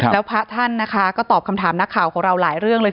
แล้วพระท่านนะคะก็ตอบคำถามนักข่าวของเราหลายเรื่องเลย